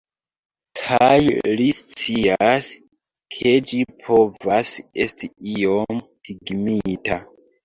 Kaj li scias, ke ĝi povas esti iom timigita.